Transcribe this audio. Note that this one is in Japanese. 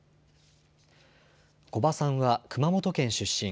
古葉さんは熊本県出身。